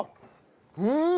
うん！